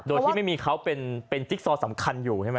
โดยที่ไม่มีเขาเป็นจิ๊กซอสำคัญอยู่ใช่ไหม